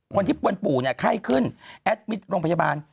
คนที่ปวนปู่เนี่ยไข้ขึ้นแอดมิตรโรงพยาบาล